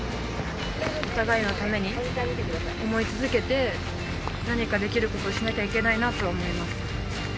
お互いのために、想い続けて、何かできることをしなきゃいけないなとは思います。